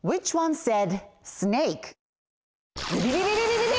ズビビビビビビビ！